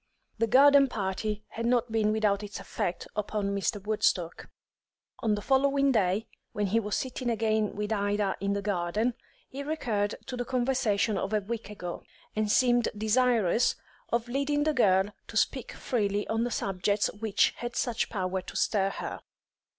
The garden party had not been without its effect upon Mr. Woodstock. On the following day, when he was sitting again with Ida in the garden, he recurred to the conversation of a week ago, and seemed desirous of leading the girl to speak freely on the subjects which had such power to stir her.